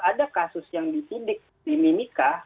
ada kasus yang disidik di mimika